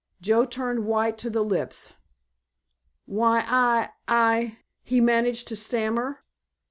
Joe turned white to the lips. "Why I—I——" he managed to stammer.